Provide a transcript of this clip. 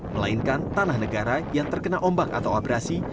melainkan tanah negara yang terkena ombak atau abrasi